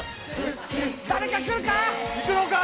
誰かくるか？